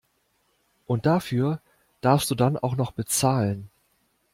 Und dafür darfst du dann auch noch bezahlen!